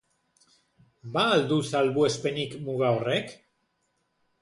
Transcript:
Ba al du salbuespenik muga horrek?